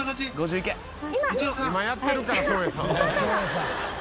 今やってるから照英さん。